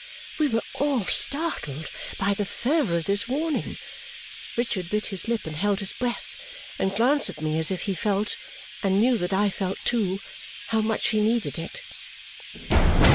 We were all startled by the fervour of this warning. Richard bit his lip and held his breath, and glanced at me as if he felt, and knew that I felt too, how much he needed it.